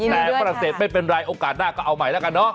แต่ฝรั่งเศสไม่เป็นไรโอกาสหน้าก็เอาใหม่แล้วกันเนาะ